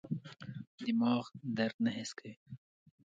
دماغ درد نه حس کوي.